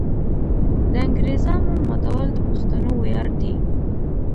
د انګریزامو ماتول د پښتنو ویاړ دی.